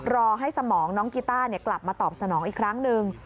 รอให้สมองน้องกีต้ากลับมาตอบสนองอีกครั้งหนึ่ง